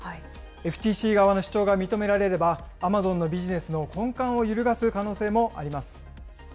ＦＴＣ側の主張が認められれば、アマゾンのビジネスの根幹を揺るがす可能性もあります。